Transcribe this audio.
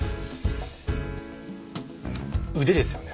腕ですよね